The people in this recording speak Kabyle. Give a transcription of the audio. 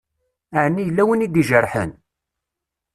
Ɛni yella win i d-ijerḥen?